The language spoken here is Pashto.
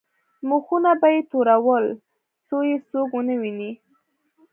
مخونه به یې تورول څو یې څوک ونه ویني.